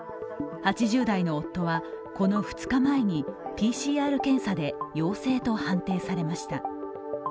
８０代の夫は、この２日前にＰＣＲ検査で陽性と判定されました。